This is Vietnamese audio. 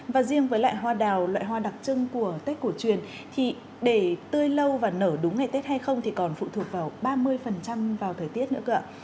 và riêng với lại hoa đào loại hoa đặc trưng của tết cổ truyền thì để tươi lâu và nở đúng ngày tết hay không thì còn phụ thuộc vào ba mươi vào thời tiết nữa cơ ạ